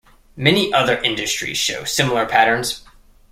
Many other industries show similar patterns.